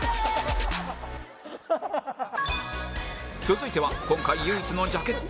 続いては今回唯一のジャケット組大悟